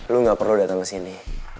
lu nggak perlu datang kesini